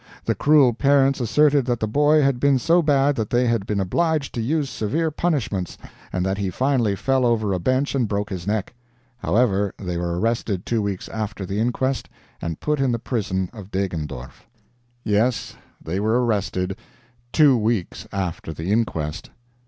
The cruel parents asserted that the boy had been so bad that they had been obliged to use severe punishments, and that he finally fell over a bench and broke his neck. However, they were arrested two weeks after the inquest and put in the prison at Deggendorf." Yes, they were arrested "two weeks after the inquest."